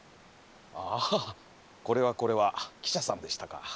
ああこれはこれは記者さんでしたか。